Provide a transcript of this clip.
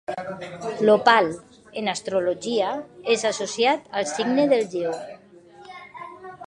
L'òpal, en astrologia, és associat al signe del Lleó.